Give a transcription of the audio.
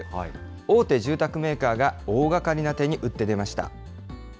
大手住宅メーカーが大がかりな手に打って出ました。